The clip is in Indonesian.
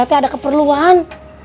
sehatnya ada keperluan